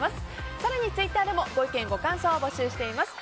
更にツイッターでもご意見、ご感想を募集しています。